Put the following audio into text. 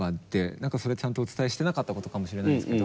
何かそれちゃんとお伝えしてなかったことかもしれないですけど。